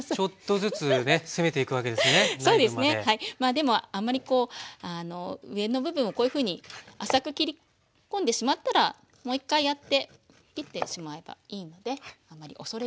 でもあんまりこう上の部分をこういうふうに浅く切り込んでしまったらもう一回やって切ってしまえばいいのであんまり恐れず。